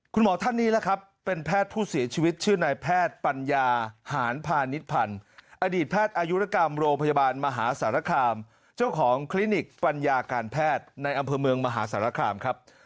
คุณหมอท่านนี้นะครับเป็นแพทย์ผู้เสียชีวิตชื่อนายแพทย์ปัญญาหารพาณิชพันธ์อดีตแพทย์อายุรกรรมโรงพยาบาลมหาสารคามเจ้าของคลินิกปัญญาการแพทย์ในอำเภอเมืองมหาสารคามครับ